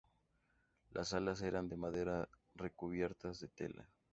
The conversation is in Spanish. Las alas eran de madera recubiertas de tela.